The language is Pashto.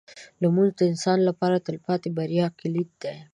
لمونځ د انسان لپاره د تلپاتې بریا کلید دی.